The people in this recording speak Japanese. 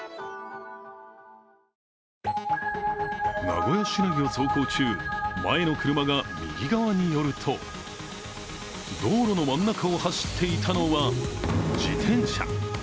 名古屋市内を走行中、前の車が右側に寄ると、道路の真ん中を走っていたのは自転車。